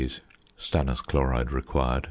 Stannous chloride required 1.